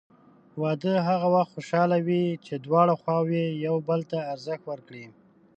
واده هغه وخت خوشحاله وي چې دواړه خواوې یو بل ته ارزښت ورکړي.